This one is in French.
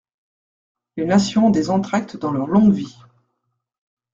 Les nations ont des entr'actes dans leur longue vie.